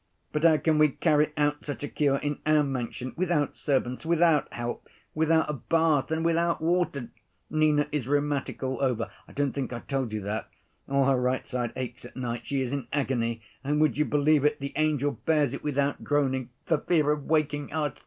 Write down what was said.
But how can we carry out such a cure in our mansion, without servants, without help, without a bath, and without water? Nina is rheumatic all over, I don't think I told you that. All her right side aches at night, she is in agony, and, would you believe it, the angel bears it without groaning for fear of waking us.